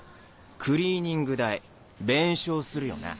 クリーニング代弁償するよな？